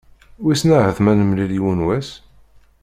Wissen ahat m'ad d-nemlil yiwen wass?